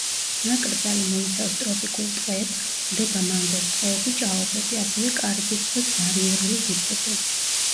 ნაკრძალი მოიცავს ტროპიკულ ტყეებს, გვხვდება მანგოს ტყეები, ჭაობები, ასევე კარიბის ზღვის ბარიერული რიფები.